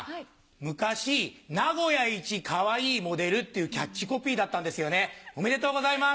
昔名古屋いちかわいいモデルっていうキャッチコピーだったんですよねおめでとうございます。